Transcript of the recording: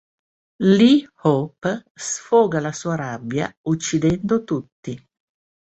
Li Hope sfoga la sua rabbia, uccidendo tutti.